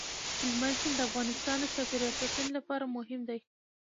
هلمند سیند د افغانستان د چاپیریال ساتنې لپاره مهم دی.